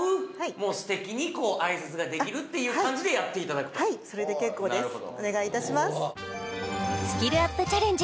もうすてきに挨拶ができるっていう感じでやっていただくとはいそれで結構ですお願いいたしますスキルアップチャレンジ